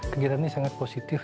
kegiatan ini sangat positif